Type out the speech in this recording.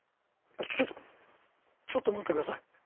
ちょちょちょっと待って下さい！